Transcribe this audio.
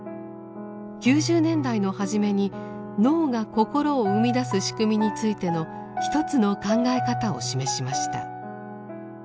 ９０年代の初めに脳が心を生み出す仕組みについての一つの考え方を示しました。